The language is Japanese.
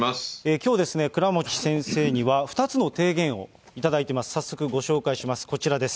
きょう、倉持先生には２つの提言を頂いてます。